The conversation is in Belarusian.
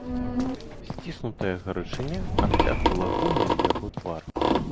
Сціснутая гарачыня абцягнула гумаю яго твар.